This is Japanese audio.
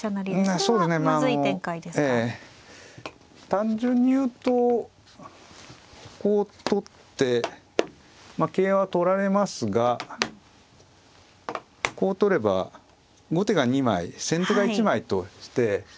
単純に言うとこう取ってまあ桂は取られますがこう取れば後手が２枚先手が１枚として。